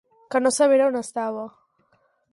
Que no sabera on estava.